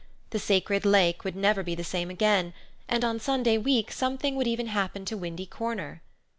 The Sacred Lake would never be the same again, and, on Sunday week, something would even happen to Windy Corner.